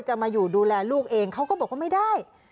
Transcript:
มาอยู่ดูแลลูกเองเขาก็บอกว่าไม่ได้